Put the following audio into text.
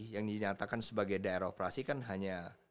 yang dinyatakan sebagai daerah operasi kan hanya